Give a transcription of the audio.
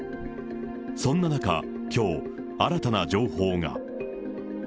そんな中、きょう、新たな情報が。